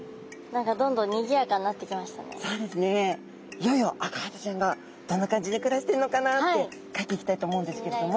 いよいよアカハタちゃんがどんな感じで暮らしているのかなって描いていきたいと思うんですけれども。